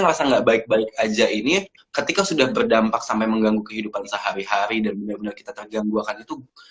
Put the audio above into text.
juga ngerasa enggak baik baik aja ini ketika sudah berdampak sampai mengganggu kehidupan sehari hari dua ribu fossil itu mungkin momen yang tepat untuk berjalan jadi semangat untuk naik